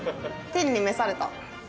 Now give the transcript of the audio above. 天に召された。